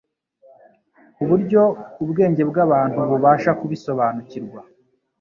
ku buryo ubwenge bw'abana bubasha kubisobanukirwa.